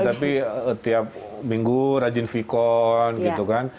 tapi tiap minggu rajin vkon gitu kan